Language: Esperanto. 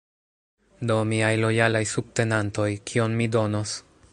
Do, miaj lojalaj subtenantoj: kion mi donos?